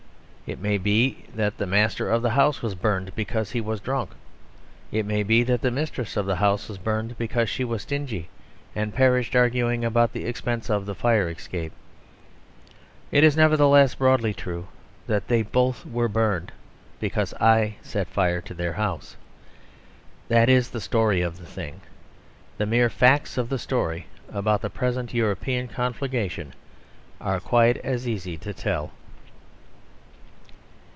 It may be that the master of the house was burned because he was drunk; it may be that the mistress of the house was burned because she was stingy, and perished arguing about the expense of the fire escape. It is, nevertheless, broadly true that they both were burned because I set fire to their house. That is the story of the thing. The mere facts of the story about the present European conflagration are quite as easy to tell.